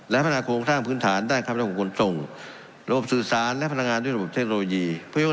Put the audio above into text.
และพนาคมคงสร้างพื้นฐานด้านคำลังของภูมิตรงระบบสื่อสารและพนาคมด้วยระบบเทคโนโลยี